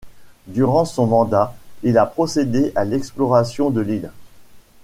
Durant son mandat, il a procédé à l'exploration de l'île.